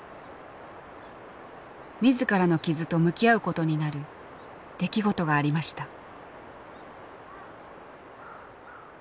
自らの傷と向き合うことになる出来事がありました。